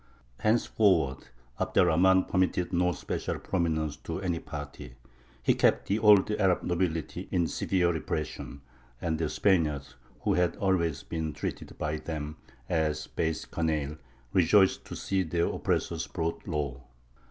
Henceforward Abd er Rahmān permitted no special prominence to any party; he kept the old Arab nobility in severe repression; and the Spaniards, who had always been treated by them as base canaille, rejoiced to see their oppressors brought low.